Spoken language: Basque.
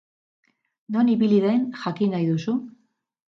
Non ibili den jakin nahi duzu?